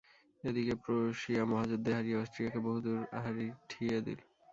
এ দিকে প্রুশিয়া মহাযুদ্ধে হারিয়ে অষ্ট্রীয়াকে বহুদূর হঠিয়ে দিলে।